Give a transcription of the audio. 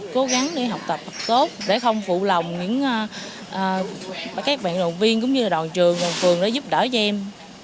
cố gắng để học tập thật tốt để không phụ lòng những các bạn đồng viên cũng như đoàn trường phường để giúp đỡ cho em